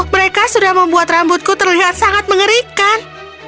mereka sudah membuat rambutku terlihat sangat mengerikan